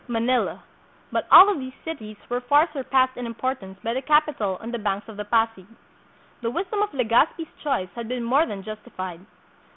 Manila. But all of these cities were far surpassed in importance by the capital on the banks of the Pasig. The wisdom of Legazpi's choice had been more than justified.